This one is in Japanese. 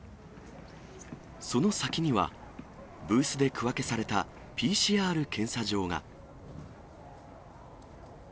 その先には、ブースで区分けされたＰＣＲ検査場が。